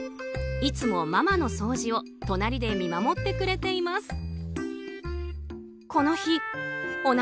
いつもママの掃除を隣で見守ってくれています。